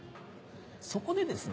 そこでですね